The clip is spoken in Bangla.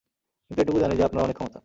কিন্তু এটুকু জানি যে, আপনার অনেক ক্ষমতা।